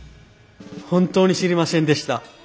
本当に知りませんでした。